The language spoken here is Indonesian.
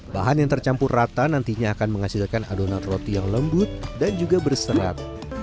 bahan yang tercampur rata nantinya akan menghasilkan adonan roti yang lembut dan juga berserat